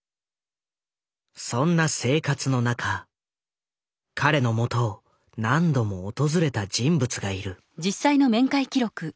そんな生活の中彼のもとを何度も訪れた人物がいる。